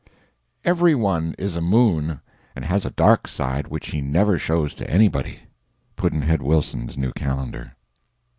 Every one is a moon, and has a dark side which he never shows to anybody. Pudd'nhead Wilson's New Calendar.